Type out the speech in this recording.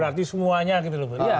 berarti semuanya gitu loh